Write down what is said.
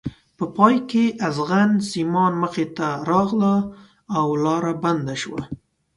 په پای کې ازغن سیمان مخې ته راغله او لاره بنده شوه.